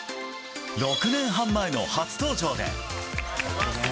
６年半前の初登場で。